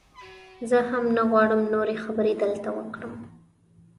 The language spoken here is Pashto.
زه هم نه غواړم نورې خبرې دلته وکړم.